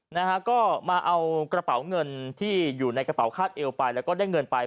นะฮะก็มาเอากระเป๋าเงินที่อยู่ในกระเป๋าคาดเอวไปแล้วก็ได้เงินไป